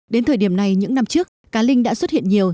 đến thời điểm này những năm trước cá linh đã xuất hiện nhiều